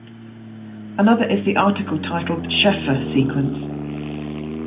Another is the article titled Sheffer sequence.